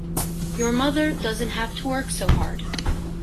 Your mother doesn’t have to work so hard.